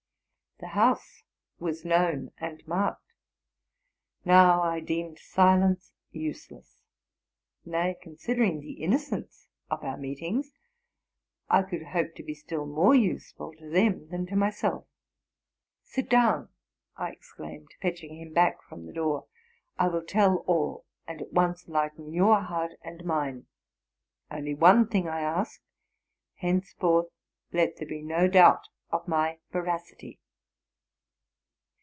'"' The house was known and marked. Now I deemed silence useless ; nay, considering the innocence of our meetings, I could hope to be still more useful to them than to myself. '*Sit down!'' I exclaimed, fetching him back from the door: '* I will tell all, and at once lighten your heart and mine; only one thing I ask, — henceforth let there be no doubt of my veracity.